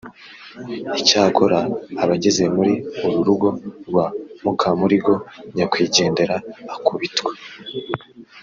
Icyakora abageze muri uru rugo rwa Mukamurigo nyakwigendera akubitwa